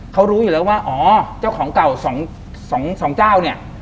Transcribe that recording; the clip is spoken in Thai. เขารู้อยู่แล้วว่าอ๋อเจ้าของเก่าสองเจ้าเนี่ย